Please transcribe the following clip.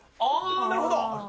なるほど。